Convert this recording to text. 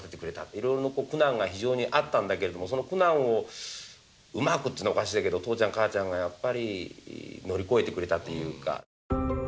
いろいろな苦難が非常にあったんだけれどもその苦難をうまくって言うのはおかしいんだけど父ちゃん母ちゃんがやっぱり乗り越えてくれたっていうか。